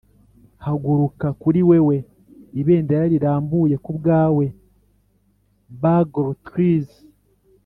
haguruka - kuri wewe ibendera rirambuye - kubwawe bugle trills,